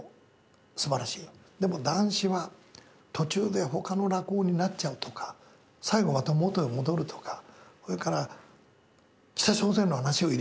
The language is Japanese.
でも談志は途中で他の落語になっちゃうとか最後また元へ戻るとかそれから北朝鮮の話を入れちゃうとか。ね。